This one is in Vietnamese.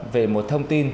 về một thông tin